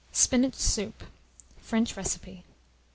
SPINACH SOUP (French Recipe).